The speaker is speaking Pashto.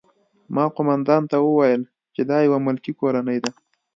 ما قومندان ته وویل چې دا یوه ملکي کورنۍ ده